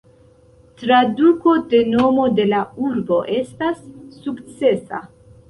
Traduko de nomo de la urbo estas "sukcesa".